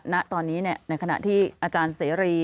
ในขณะที่อาจารย์เสรี